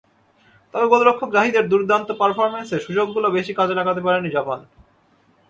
তবে গোলরক্ষক জাহিদের দুর্দান্ত পারফরম্যান্সে সুযোগগুলো বেশি কাজে লাগাতে পারেনি জাপান।